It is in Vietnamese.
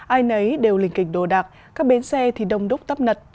ai nấy đều lình kịch đồ đạc các bến xe thì đông đúc tắp nật